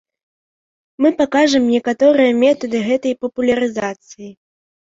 Мы пакажам некаторыя метады гэтай папулярызацыі.